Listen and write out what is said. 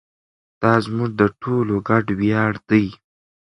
دا زموږ د ټولو ګډ ویاړ دی.